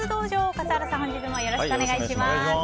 笠原さん、本日もよろしくお願いします。